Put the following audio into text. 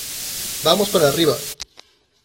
vamos para arriba.